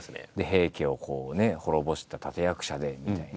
平家を滅ぼした立て役者でみたいな。